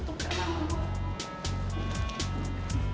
itu kenapa gue